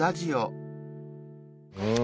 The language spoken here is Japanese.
うん！